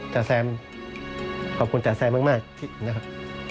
จ๋แซมขอบคุณจ๋าแซมมากนะครับ